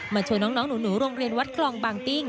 ชวนน้องหนูโรงเรียนวัดคลองบางปิ้ง